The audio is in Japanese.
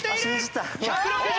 １６０！